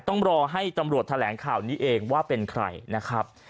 ต้องรอให้ตำรวจแถลงข่าวนี้เองว่าเป็นใครนะครับ